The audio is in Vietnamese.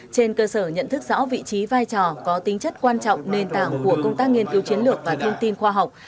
trên cơ sở nhận thức rõ vị trí vai trò có tính chất quan trọng nền tảng của công tác nghiên cứu chiến lược và thông tin khoa học